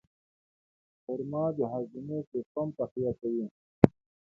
خرما د هاضمې سیستم تقویه کوي.